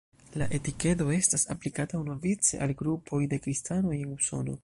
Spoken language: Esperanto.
La etikedo estas aplikata unuavice al grupoj de kristanoj en Usono.